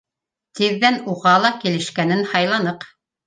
Тиҙҙән уға ла килешкәнен һайланыҡ.